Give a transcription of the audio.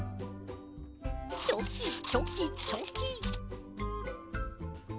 チョキチョキチョキ。